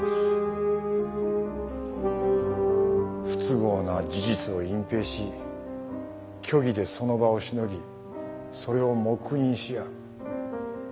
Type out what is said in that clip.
不都合な事実を隠蔽し虚偽でその場をしのぎそれを黙認し合う。